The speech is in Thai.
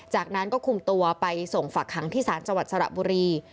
จากนั้นก็คุมตัวไปส่งฝักขังที่ศาลจังหวัดสระบุรี